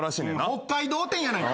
北海道展やないか。